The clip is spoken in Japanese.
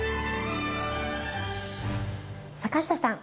坂下さん。